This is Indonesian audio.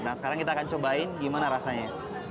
nah sekarang kita akan cobain gimana rasanya